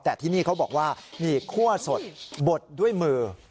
แต่ที่นี่เขาบอกว่ามีคั่วสดบดด้วยมือ